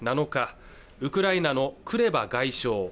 ７日ウクライナのクレバ外相